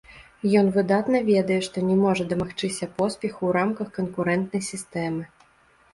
Ён выдатна ведае, што не можа дамагчыся поспеху ў рамках канкурэнтнай сістэмы.